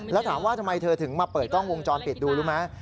แล้วถามว่าทำไมเธอถึงมาเปิดกล้องวงจรปิดดูรู้ไหม